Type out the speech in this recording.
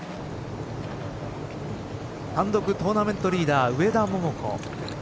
単独トーナメントリーダー上田桃子。